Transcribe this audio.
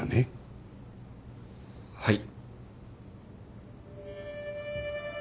はい。